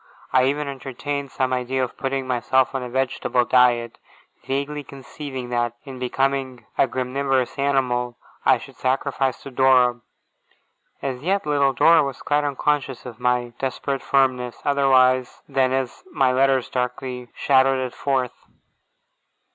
I even entertained some idea of putting myself on a vegetable diet, vaguely conceiving that, in becoming a graminivorous animal, I should sacrifice to Dora. As yet, little Dora was quite unconscious of my desperate firmness, otherwise than as my letters darkly shadowed it forth.